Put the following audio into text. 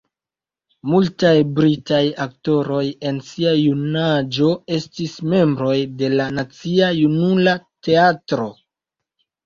Multaj britaj aktoroj en sia junaĝo estis membroj de la Nacia Junula Teatro.